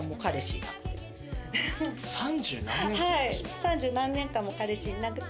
三十何年間も彼氏いなくて。